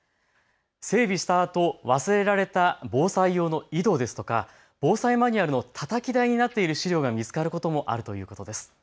整備したあと忘れられた防災用の井戸ですとか防災マニュアルのたたき台になっている資料が見つかることもあるということです。